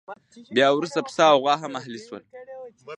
بیا وروسته پسه او غوا هم اهلي شول.